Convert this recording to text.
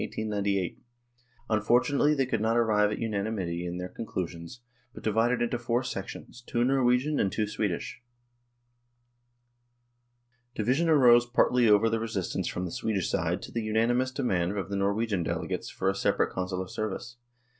Unfortunately they could not arrive at unanimity in their conclusions, but divided into four sections, two Norwegian and two Swedish. Division arose partly over the resistance from the Swedish side to the unanimous demand of the Norwegian delegates for a separate Consular service.